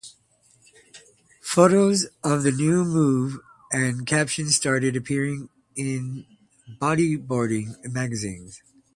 Photos of the new move and captions started appearing in Bodyboarding Magazine.